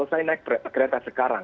jika aku naik kereta sekarang